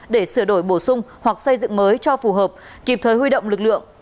để sửa đổi bổ sung hoặc xây dựng mới cho phù hợp kịp thời huy động lực lượng